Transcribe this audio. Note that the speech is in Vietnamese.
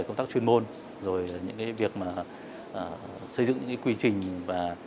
chúng ta chị em cũng trên ý là